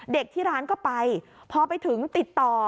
ที่ร้านก็ไปพอไปถึงติดต่อ